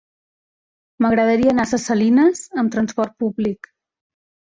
M'agradaria anar a Ses Salines amb transport públic.